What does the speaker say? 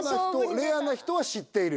レアな人は知っている？